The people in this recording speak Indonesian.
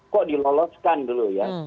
kok diloloskan dulu ya